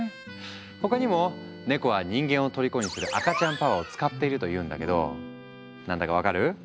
他にもネコは人間をとりこにする赤ちゃんパワーを使っているというんだけど何だか分かる？